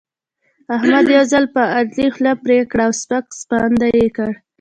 احمد یو ځل پر علي خوله پرې کړه او سپک سپاند يې کړ.